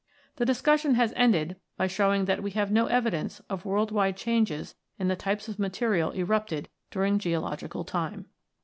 The discussion has ended by showing that we have no evidence of world wide changes in the types of material erupted during geological time.